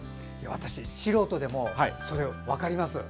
私、素人でもそれ分かります。